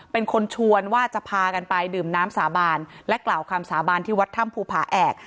เป็นคนชวนว่าจะพากันไปดื่มน้ำสาบานและกล่าวคำสาบานที่วัดถ้ำภูผาแอก